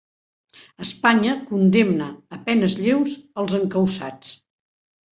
Espanya condemna a penes lleus als encausats